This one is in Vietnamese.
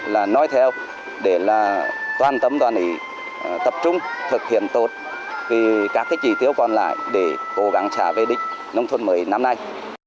là nói theo để là toàn tâm đoàn ý tập trung thực hiện tốt các cái chỉ tiêu còn lại để cố gắng xã về đích nông thôn mới năm nay